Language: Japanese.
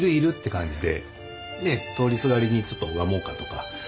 通りすがりにちょっと拝もうかとか。